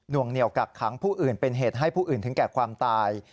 วงเหนียวกักขังผู้อื่นเป็นเหตุให้ผู้อื่นถึงแก่ความตาย